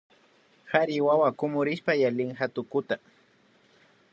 Kari wawa kumurishpa yalin hutkuta